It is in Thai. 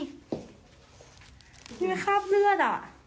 นี่มันคลาบเลือด